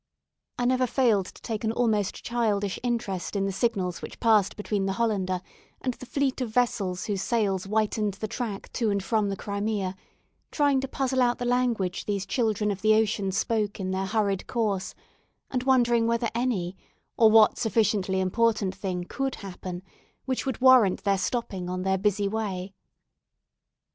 I never failed to take an almost childish interest in the signals which passed between the "Hollander" and the fleet of vessels whose sails whitened the track to and from the Crimea, trying to puzzle out the language these children of the ocean spoke in their hurried course, and wondering whether any, or what sufficiently important thing could happen which would warrant their stopping on their busy way.